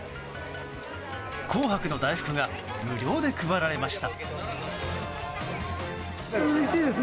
紅白の大福が無料で配られました。